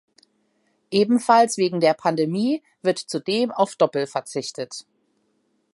Ebenfalls wegen der Pandemie wird zudem auf Doppel verzichtet.